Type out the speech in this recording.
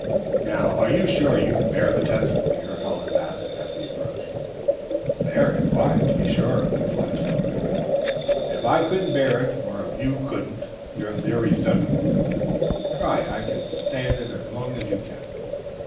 "'Now, are you sure you can bear the test?' we heard Hollins ask, as we approached. "'Bear it? Why, to be sure!' replied Shelldrake; 'if I couldn't bear it, or if you couldn't, your theory's done for. Try! I can stand it as long as you can.'